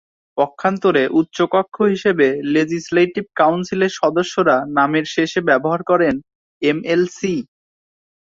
পক্ষান্তরে উচ্চ কক্ষ হিসেবে লেজিসলেটিভ কাউন্সিলের সদস্যরা নামের শেষে ব্যবহার করেন'এমএলসি'।